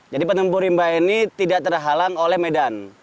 jadi penempur imba ini tidak terhalang oleh medan